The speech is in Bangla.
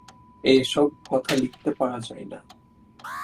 এ-সব কথা লিখতে পারা যায় না।